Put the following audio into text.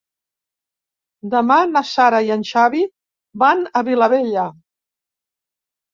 Demà na Sara i en Xavi van a Vilabella.